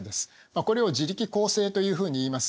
これを自力更生というふうにいいます。